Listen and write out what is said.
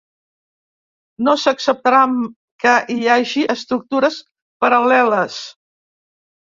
No s’acceptarà que hi hagi estructures paral·leles.